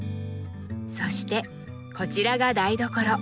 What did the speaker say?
そしてこちらが台所。